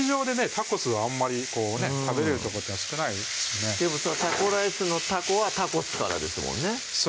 タコスはあんまり食べれるとこっていうのは少ないですしねタコライスの「タコ」はタコスからですもんね